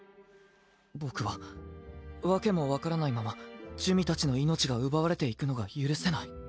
僕は訳も分からないまま珠魅たちの命が奪われていくのが許せない。